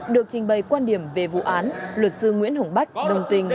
được trình bày quan điểm về vụ án luật sư nguyễn hồng bách đồng tình